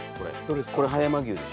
これ葉山牛でしょ？